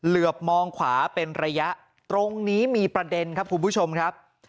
เหลือบมองขวาเป็นระยะตรงนี้มีประเด็นครับคุณผู้ชมครับ